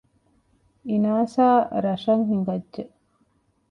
އިނާސާ ރަށަށް ހިނގައްޖެ